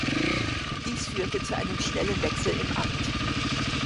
Dies führte zu einem schnellen Wechsel im Amt.